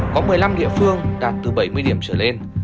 có một mươi năm địa phương đạt từ bảy mươi điểm trở lên